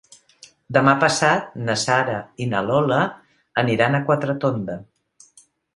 Demà passat na Sara i na Lola aniran a Quatretonda.